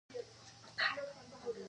افغانستان د پسه له پلوه متنوع دی.